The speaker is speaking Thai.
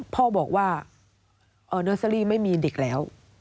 พ่อบอกว่าเนอร์เซอรี่ไม่มีเด็กแล้ว